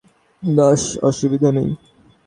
না, অসুবিধা নেই।